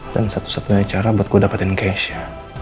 dan satu satunya cara buat gue dapetin cashnya